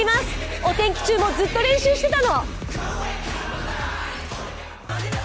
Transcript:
お天気中もずっと練習してたの。